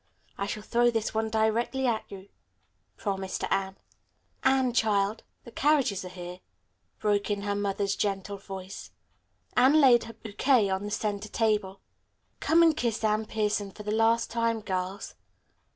"I shall throw this one directly at you," promised Anne. "Anne, child, the carriages are here," broke in her mother's gentle voice. Anne laid her bouquet on the centre table. "Come and kiss Anne Pierson for the last time, girls."